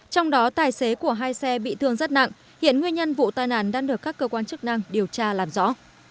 trong đó tài xế của hai xe bị thương rất nặng hiện nguyên nhân vụ tai nạn đang được các cơ quan chức năng điều tra làm rõ